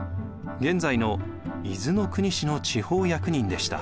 現在の伊豆の国市の地方役人でした。